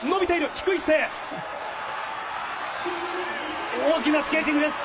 低い姿勢」「大きなスケーティングです